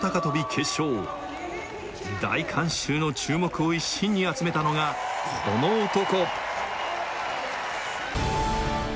決勝大観衆の注目を一身に集めたのがこの男